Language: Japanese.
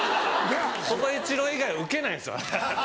鳥羽一郎以外ウケないんですよあれ。